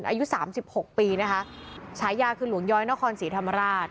อายุสามสิบหกปีนะคะฉายาคือหลวงย้อยนครศรีธรรมราช